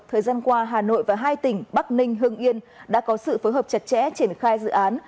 hà nội và hai tỉnh bắc ninh hương yên đã có sự phối hợp chặt chẽ triển khai dự án